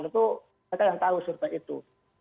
tentu mereka yang tahu survei itu